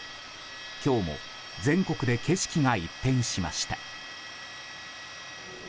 今日も全国で景色が一変しました。